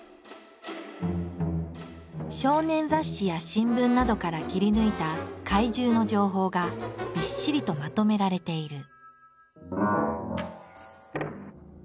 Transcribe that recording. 少年雑誌や新聞などから切り抜いた怪獣の情報がびっしりとまとめられている。